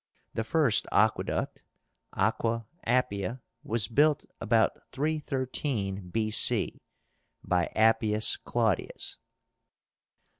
The first aqueduct (Aqua Appia) was built about 313 B.C., by Appius Claudius.